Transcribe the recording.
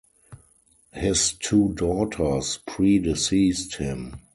His two daughters predeceased him.